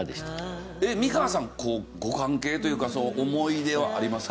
美川さんご関係というか思い出はありますか？